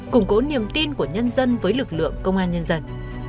củng cố niềm tin của nhân dân với lực lượng công an nhân dân